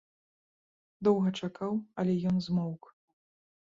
Доўга чакаў, але ён змоўк.